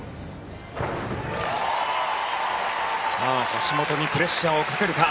橋本にプレッシャーをかけるか。